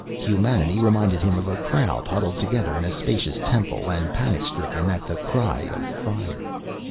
Humanity reminded him of a crowd huddled together in a spacious temple and panic stricken at the cry of "Fire!"